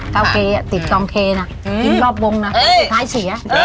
เก้าเกย์อะติดกองเกย์นะอีนรอบวงนะสุดท้ายเสีย